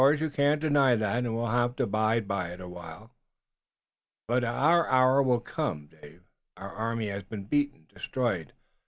You can't deny that, and we'll have to bide a while." "But will our hour ever come, Dave? Our army has been beaten, destroyed.